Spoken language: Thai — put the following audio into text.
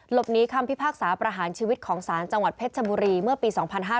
คำนี้คำพิพากษาประหารชีวิตของศาลจังหวัดเพชรชบุรีเมื่อปี๒๕๕๙